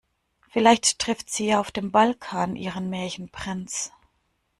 Vielleicht trifft sie ja auf dem Balkan ihren Märchenprinz.